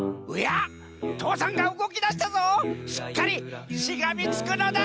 父山がうごきだしたぞしっかりしがみつくのだ！